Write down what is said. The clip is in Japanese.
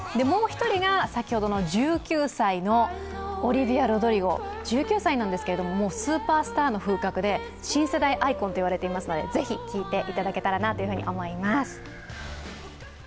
もう一人が、先ほどの１９歳のオリヴィア・ロドリゴ１９歳なんですけれどももうスーパースターの風格で新世代アイコンと言われていますので是非、聴いていただけたらなと思います。